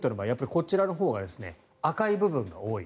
こちらのほうが赤い部分が多い。